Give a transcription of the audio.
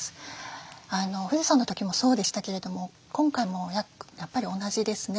富士山の時もそうでしたけれども今回もやっぱり同じですね。